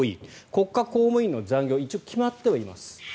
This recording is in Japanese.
国家公務員の残業は一応、決まってはいます。